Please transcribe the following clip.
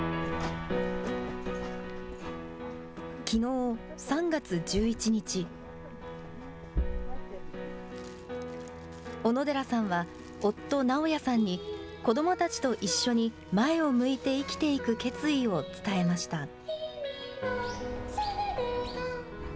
きのう３月１１日、小野寺さんは、夫、直也さんに、子どもたちと一緒に前を向いて生きていく決意を伝えました。